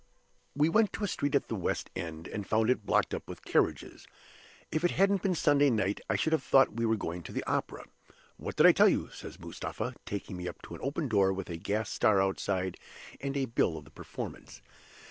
"We went to a street at the West End, and found it blocked up with carriages. If it hadn't been Sunday night, I should have thought we were going to the opera. 'What did I tell you?' says Mustapha, taking me up to an open door with a gas star outside and a bill of the performance.